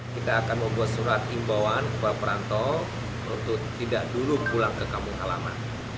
kita akan membuat surat imbauan kepada perantau untuk tidak dulu pulang ke kampung halaman